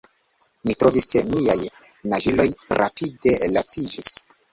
Mi trovis ke miaj naĝiloj rapide laciĝis.